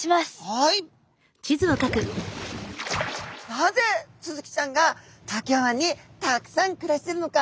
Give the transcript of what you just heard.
なぜスズキちゃんが東京湾にたくさん暮らしてるのか。